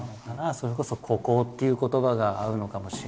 それこそ「孤高」っていう言葉が合うのかもしれないけど。